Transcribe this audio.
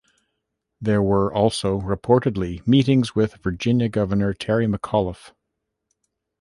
There were also reportedly meetings with Virginia Governor Terry McAuliffe.